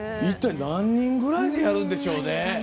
一体、何人ぐらいでやるんでしょうね。